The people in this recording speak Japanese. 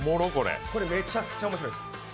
これめちゃくちゃ面白いです。